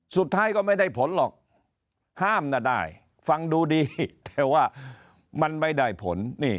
สุดท้ายก็ไม่ได้ผลหรอกห้ามนะได้ฟังดูดีแต่ว่ามันไม่ได้ผล